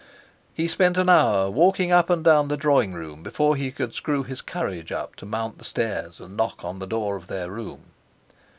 He spent an hour walking up and down the drawing room before he could screw his courage up to mount the stairs and knock on the door of their room.